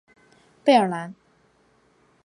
贝尔兰。